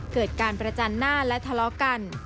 เกิดการประจันหน้าและทะเลาะกัน